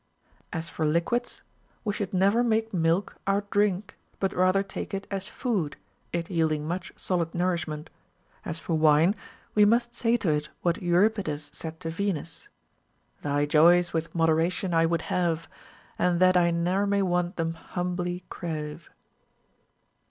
19. As for liquids, we should never make milk our drink, but rather take it as food, it yielding much solid nourish ment. As for wine, we must say to it what Euripides said to Venus :— Tliy joys with moderation I would have, And tliat I ne'er may want tliem liumbly crave.